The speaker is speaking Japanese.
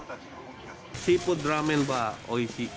シーフードラーメンはおいしい。